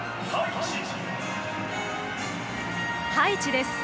ハイチです。